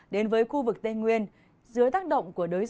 đến với khu vực tây nguyên dưới tác động của đới gió